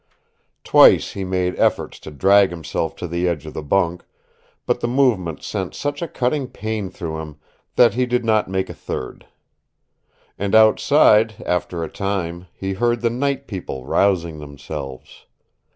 Twice he made efforts to drag himself to the edge of the bunk, but the movement sent such a cutting pain through him that he did not make a third. And outside, after a time, he heard the Night People rousing themselves.